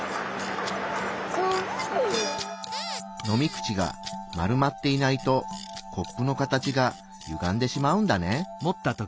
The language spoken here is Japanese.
飲み口が丸まっていないとコップの形がゆがんでしまうんだね。